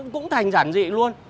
cũng thành rằng gì